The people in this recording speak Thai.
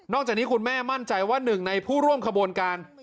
จากนี้คุณแม่มั่นใจว่าหนึ่งในผู้ร่วมขบวนการ